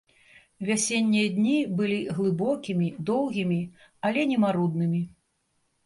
Вясеннія дні былі глыбокімі, доўгімі, але не маруднымі.